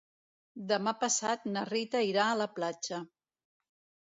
Demà passat na Rita irà a la platja.